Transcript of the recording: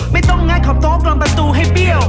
ไม่ต้องงัดขอบโต๊ะกลมประตูให้เปรี้ยว